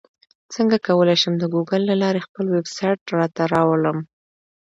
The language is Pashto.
څنګه کولی شم د ګوګل له لارې خپل ویبسایټ راته راولم